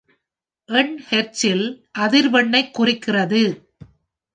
எண் ஹெர்ட்ஸில் அதிர்வெண்ணைக் குறிக்கிறது.